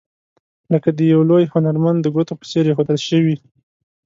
لکه د یو لوی هنرمند د ګوتو په څیر ایښودل شوي.